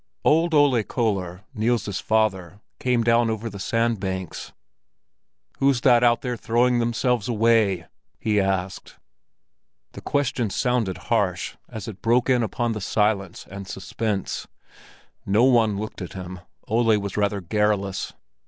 Old Ole Köller, Niels's father, came down over the sandbanks. "Who's that out there throwing themselves away?" he asked. The question sounded harsh as it broke in upon the silence and suspense. No one looked at him—Ole was rather garrulous.